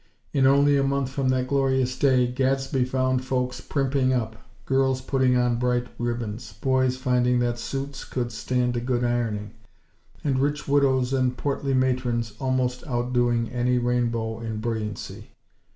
In only a month from that glorious day, Gadsby found folks "primping up"; girls putting on bright ribbons; boys finding that suits could stand a good ironing; and rich widows and portly matrons almost out doing any rainbow in brilliancy.